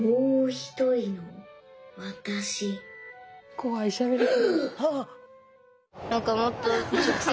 怖いしゃべり方。